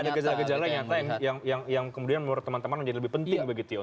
tapi ada gejala gejala yang nyata yang kemudian menurut teman teman menjadi lebih penting begitu untuk dipraktikkan